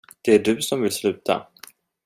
Det är du som vill sluta.